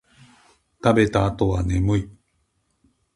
食べた後は眠い